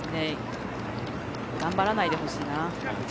頑張らないでほしいな。